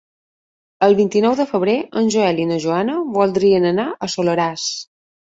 El vint-i-nou de febrer en Joel i na Joana voldrien anar al Soleràs.